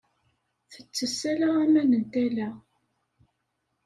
Tettess ala aman n tala.